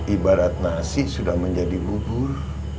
ibarat nasi sudah menjadi bubur